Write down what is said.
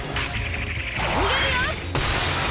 にげるよ！